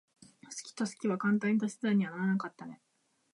好きと好きは簡単には足し算にはならなかったね。